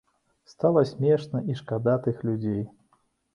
Стала смешна і шкада тых людзей.